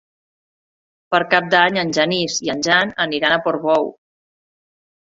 Per Cap d'Any en Genís i en Jan aniran a Portbou.